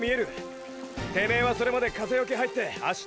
てめェはそれまで風よけ入って足ためとけ。